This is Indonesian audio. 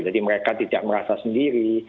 jadi mereka tidak merasa sendiri